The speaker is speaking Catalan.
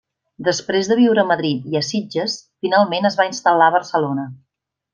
Després de viure a Madrid i a Sitges, finalment es va instal·lar a Barcelona.